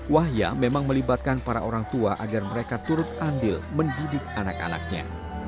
wahya memang melibatkan para orang tua agar mereka turut andil mendidik anak anaknya